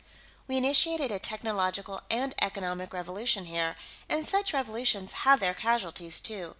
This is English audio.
We initiated a technological and economic revolution here, and such revolutions have their casualties, too.